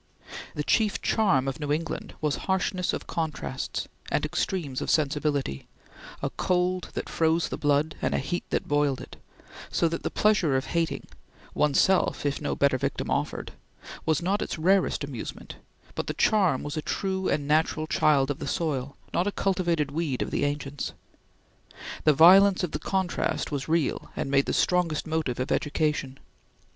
The chief charm of New England was harshness of contrasts and extremes of sensibility a cold that froze the blood, and a heat that boiled it so that the pleasure of hating one's self if no better victim offered was not its rarest amusement; but the charm was a true and natural child of the soil, not a cultivated weed of the ancients. The violence of the contrast was real and made the strongest motive of education.